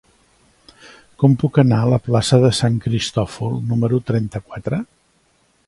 Com puc anar a la plaça de Sant Cristòfol número trenta-quatre?